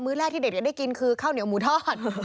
แรกที่เด็กจะได้กินคือข้าวเหนียวหมูทอด